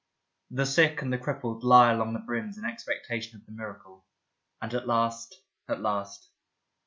The sick and the crippled lie along the brims in expectation of the miracle. And at last, at last